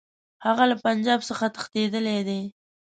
هغه له پنجاب څخه تښتېدلی دی.